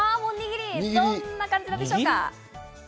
どんな感じなんでしょうか。